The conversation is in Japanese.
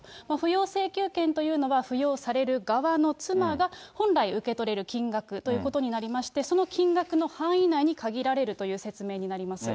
扶養請求権というのは、扶養される側の妻が本来受け取れる金額ということになりまして、その金額の範囲内に限られるという説明になります。